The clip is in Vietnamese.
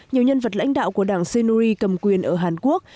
nhiều nhân vật lãnh đạo của đảng sinuri cầm quyền ở hàn quốc